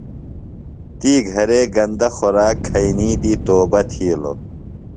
تی گھرے گندہ خوراک کھئینی دی توبہ تِھیلوۡ۔